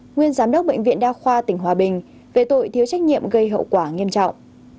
nguyên giám đốc bệnh viện đa khoa tỉnh hòa bình về tội thiếu trách nhiệm gây hậu quả nghiêm trọng